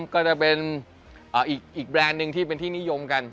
ก็จะเป็นอีกแบรนด์หนึ่งที่เป็นที่นิยมกัน